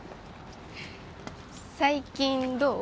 最近どう？